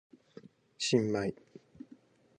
新米